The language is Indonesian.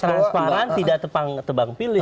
jadi transparan tidak tebang tebang pilih